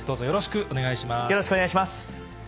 よろしくお願いします。